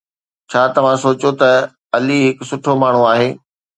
ڇا توهان سوچيو ته علي هڪ سٺو ماڻهو آهي؟